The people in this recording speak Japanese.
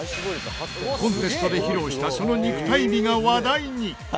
コンテストで披露したその肉体美が話題に！